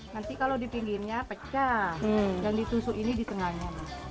nanti kalau dipingginya pecah dan ditusuk ini di tengahnya